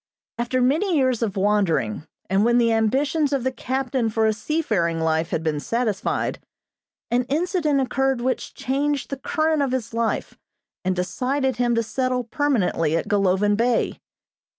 After many years of wandering, and when the ambitions of the captain for a seafaring life had been satisfied, an incident occurred which changed the current of his life and decided him to settle permanently at Golovin Bay.